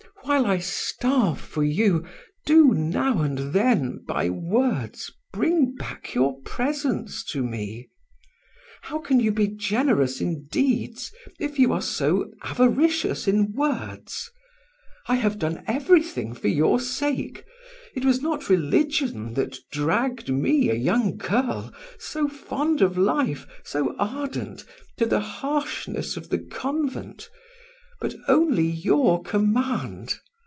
While I starve for you, do, now and then, by words, bring back your presence to me! How can you be generous in deeds if you are so avaricious in words? I have done everything for your sake. It was not religion that dragged me, a young girl, so fond of life, so ardent, to the harshness of the convent, but only your command.